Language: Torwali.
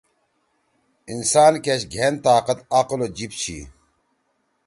انسان کیش گھین طاقت عقل او جیِب چھی۔